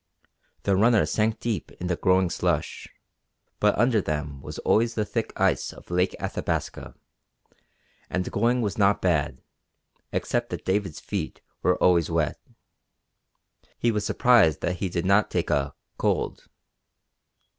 The runners sank deep in the growing slush, but under them was always the thick ice of Lake Athabasca, and going was not bad, except that David's feet were always wet. He was surprised that he did not take a "cold."